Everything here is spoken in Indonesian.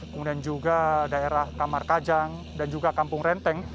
kemudian juga daerah kamar kajang dan juga kampung renteng